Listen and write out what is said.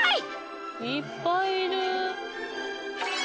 いっぱいいる。